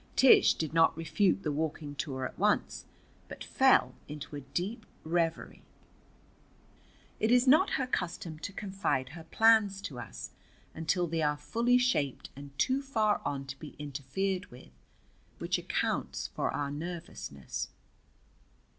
Tish did not refute the walking tour at once, but fell into a deep reverie. It is not her custom to confide her plans to us until they are fully shaped and too far on to be interfered with, which accounts for our nervousness.